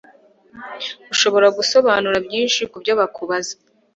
Ushobora gusobanura byinshi kubyo bakubaza?